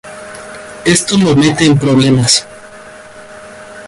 Esto lo mete en problemas.